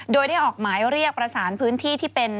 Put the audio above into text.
โดยได้ออกหมายเรียกประสานพื้นที่ที่เป็น